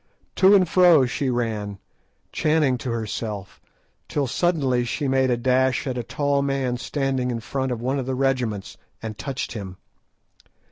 To and fro she ran, chanting to herself, till suddenly she made a dash at a tall man standing in front of one of the regiments, and touched him.